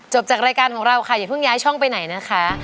จากรายการของเราค่ะอย่าเพิ่งย้ายช่องไปไหนนะคะ